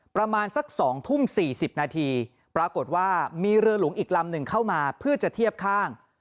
ประมาณสัก๒ทุ่ม๔๐นาทีปรากฏว่ามีเรือหลวงอีกลำหนึ่งเข้ามาเพื่อจะเทียบข้าง